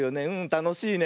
たのしいね。